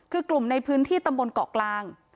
คือกลุ่มในพื้นที่ตำบลเกาะกลาง